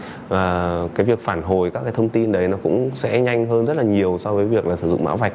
và cái việc phản hồi các cái thông tin đấy nó cũng sẽ nhanh hơn rất là nhiều so với việc là sử dụng mã vạch